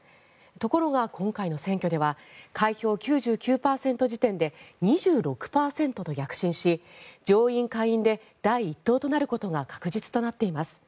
ところが、今回の選挙では開票９９％時点で２６％と躍進し上院下院で第１党となることが確実となっています。